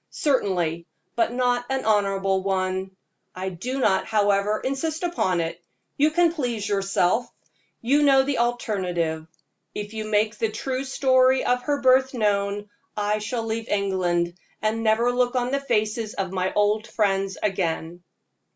"Certainly, but not an honorable one. I do not, however, insist upon it; you can please yourself. You know the alternative if you make the true story of her birth known, I shall leave England, and never look on the faces of my old friends again."